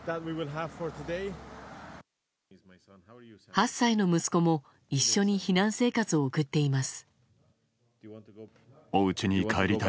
８歳の息子も一緒に避難生活を送っています。